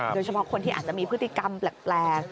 โดยเฉพาะคนที่อาจจะมีพฤติกรรมแปลก